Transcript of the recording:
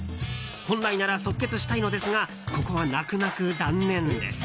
本来なら即決したいのですがここは泣く泣く断念です。